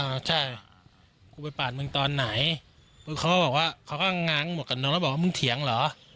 ใช่กูไปปาดมึงตอนไหนปุ๊บเขาก็บอกว่าเขาก็ง้างหมวกกับน้องแล้วบอกว่ามึงเถียงเหรอ